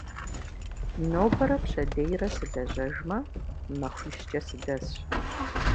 Нобэрэ пщэдейрэ сылэжьэжмэ, махуищкӏэ сыдэсщ.